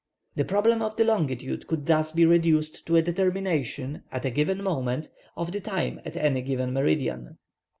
The problem of the longitude could thus be reduced to a determination, at a given moment of the time at any given meridian.